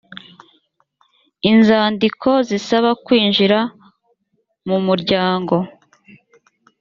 inzandiko zisaba kwinjira mu umuryango